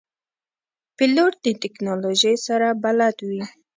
پیلوټ د تکنالوژۍ سره بلد وي.